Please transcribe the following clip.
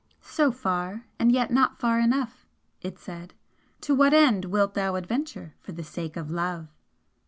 "So far! and yet not far enough!" it said "To what end wilt thou adventure for the sake of Love?"